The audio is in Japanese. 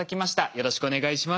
よろしくお願いします。